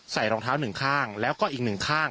รองเท้าหนึ่งข้างแล้วก็อีกหนึ่งข้าง